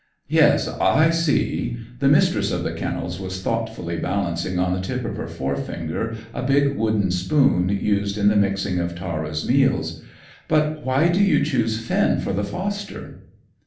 "Yes; I see." The Mistress of the Kennels was thoughtfully balancing on the tip of her fore finger a big wooden spoon, used in the mixing of Tara's meals. "But why do you choose Finn for the foster?"